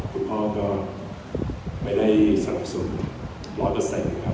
คุณพ่อก็ไม่ได้สนับสนุน๑๐๐นะครับ